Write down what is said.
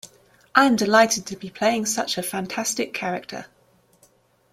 I am delighted to be playing such a fantastic character.